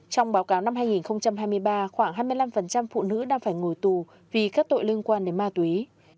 trong báo cáo năm hai nghìn hai mươi ba khoảng hai mươi năm phụ nữ đang phải ngồi tù vì các tội liên quan đến ma túy